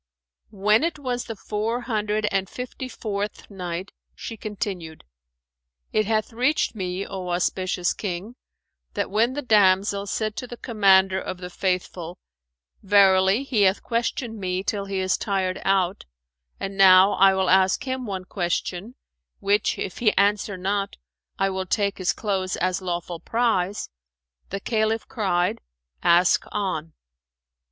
When it was the Four Hundred and Fifty fourth Night, She continued, It hath reached me, O auspicious King, that when the damsel said to the Commander of the Faithful, "Verily he hath questioned me till he is tired out, and now I will ask him one question, which if he answer not I will take his clothes as lawful prize," the Caliph cried, "Ask on."